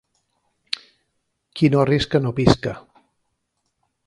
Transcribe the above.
Qui no arrisca, no pisca.